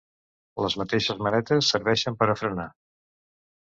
Les mateixes manetes serveixen per a frenar.